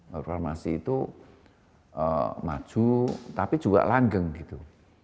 pabrik farmasi itu maju tapi juga langgeng gitu